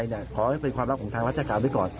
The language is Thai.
ขอให้เป็นความลับของทางราชการไว้ก่อน